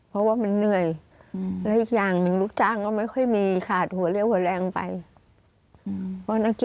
เพราะนะเกตก็เป็นหัวลัก